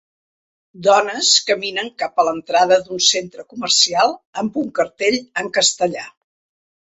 Dones caminen cap a l'entrada d'un centre comercial amb un cartell en castellà.